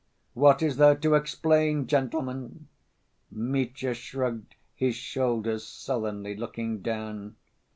"What is there to explain, gentlemen?" Mitya shrugged his shoulders sullenly, looking down.